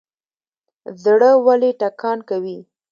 زړه ولې ټکان کوي؟